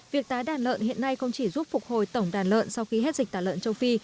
việc tái đàn lợn hiện nay không chỉ giúp phục hồi tổng đàn lợn sau khi hết dịch tả lợn châu phi